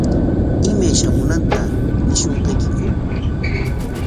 ¿Imay shamunanta ñishunqaykiku?